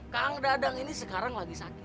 kang dadang ini sekarang lagi sakit